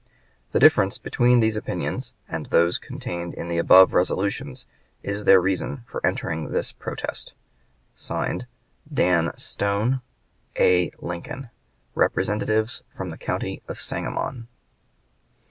The difference between these opinions and those contained in the above resolutions is their reason for entering this protest. (Signed) DAN STONE, A. LINCOLN, Representatives from the county of Sangamon.